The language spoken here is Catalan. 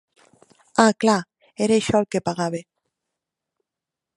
Ah clar era això el que pagava.